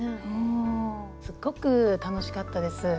すっごく楽しかったです。